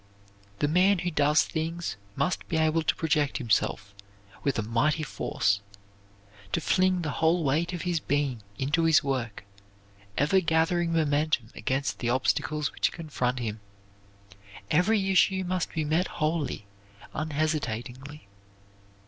The man who does things must be able to project himself with a mighty force, to fling the whole weight of his being into his work, ever gathering momentum against the obstacles which confront him; every issue must be met wholly, unhesitatingly.